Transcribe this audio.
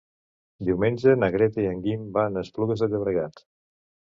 Diumenge na Greta i en Guim van a Esplugues de Llobregat.